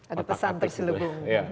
ada pesan terselubung